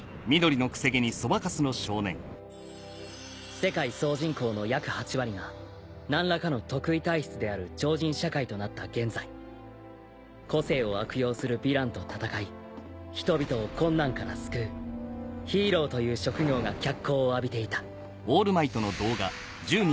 世界総人口の約８割が何らかの特異体質である超人社会となった現在個性を悪用するヴィランと戦い人々を困難から救うヒーローという職業が脚光を浴びていたハハハハ！